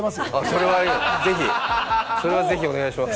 それは、ぜひ、ぜひお願いします。